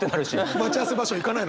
待ち合わせ場所行かないのにね。